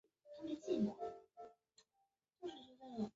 卡尚布是巴西米纳斯吉拉斯州的一个市镇。